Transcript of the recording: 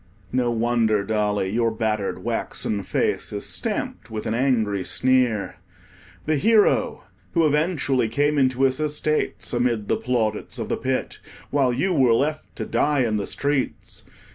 No wonder, Dolly, your battered waxen face is stamped with an angry sneer. The Hero, who eventually came into his estates amid the plaudits of the Pit, while you were left to die in the streets!